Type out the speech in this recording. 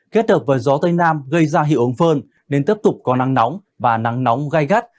kết hợp với gió tây nam gây ra hiệu ứng phơn nên tiếp tục có nắng nóng và nắng nóng gai gắt